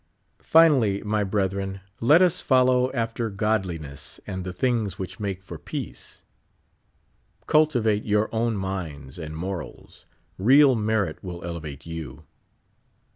Finally, my brethren, let us follow after godliness, and the things which make for peace. Cultivate your own minds and morals ; real merit will elevate you.